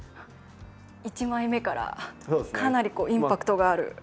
１枚目からかなりインパクトがある。